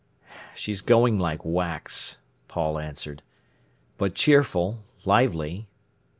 "She's going like wax," Paul answered; "but cheerful—lively!"